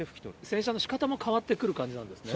洗車のしかたも変わってくる感じなんですね。